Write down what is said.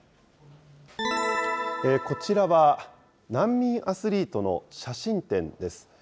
こちらは、難民アスリートの写真展です。